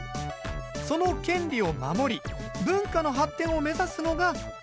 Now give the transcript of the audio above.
その権利を守り文化の発展を目指すのが著作権法。